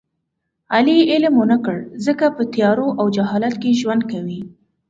علي علم و نه کړ ځکه په تیارو او جهالت کې ژوند کوي.